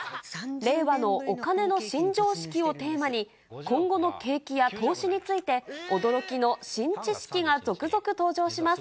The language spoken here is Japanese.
令和のお金の新常識をテーマに、今後の景気や投資について、驚きの新知識が続々登場します。